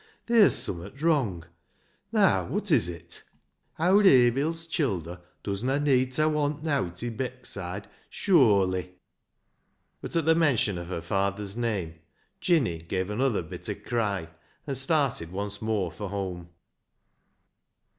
Ther's summat wrung ; naa wot is it? Owd Abil's childer doesna need ta want nowt i' Beckside sure/z." But at the mention of her father's name Jinny gave another bitter cry, and started once more for home.